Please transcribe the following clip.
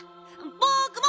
ぼくも！